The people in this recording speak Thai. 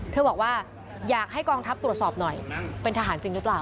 บอกว่าอยากให้กองทัพตรวจสอบหน่อยเป็นทหารจริงหรือเปล่า